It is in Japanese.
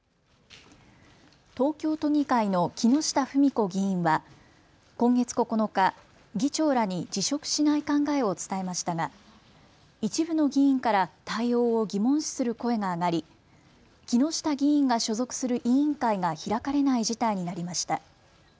東京都議会の木下富美子議員は今月９日、議長らに辞職しない考えを伝えましたが一部の議員から対応を疑問視する声が上がり木下議員が所属する委員会が開かれない事態になりました。